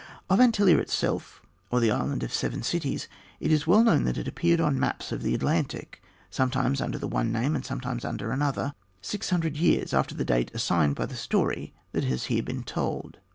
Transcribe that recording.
Of Antillia itself, or the Island of the Seven Cities, it is well known that it appeared on the maps of the Atlantic, sometimes under the one name and sometimes under another, six hundred years after the date assigned by the story that has here been told.